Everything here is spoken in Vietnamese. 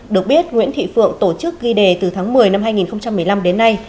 được biết nguyễn thị phượng tổ chức ghi đề từ tháng một mươi năm hai nghìn một mươi năm đến nay